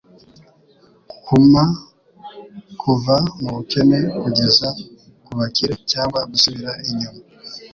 Kuma, kuva mubukene kugeza kubakire, cyangwa gusubira inyuma.